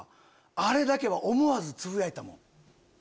あれだけは思わずつぶやいたもん。